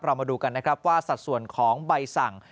มาดูกันนะครับว่าสัดส่วนของใบสั่ง